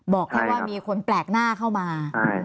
บอกแค่ว่ามีคนแปลกหน้าเข้ามา